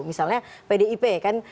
misalnya pdip kan